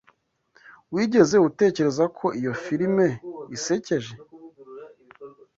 Wigeze utekereza ko iyo firime isekeje?